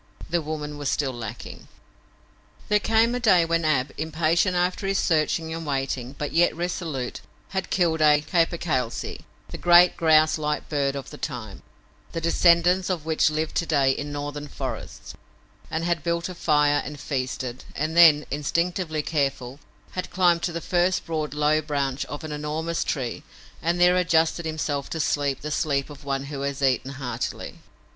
The woman was still lacking. There came a day when Ab, impatient after his searching and waiting, but yet resolute, had killed a capercailzie the great grouse like bird of the time, the descendants of which live to day in northern forests and had built a fire and feasted, and then, instinctively careful, had climbed to the first broad, low branch of an enormous tree and there adjusted himself to sleep the sleep of one who has eaten heartily.